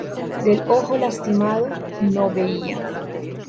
Del ojo lastimado, no veía".